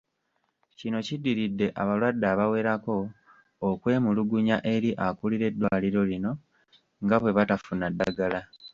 Kino kiddiridde abalwadde abawerako okwemulugunya eri akulira eddwaliro lino nga bwe batafuna ddagala.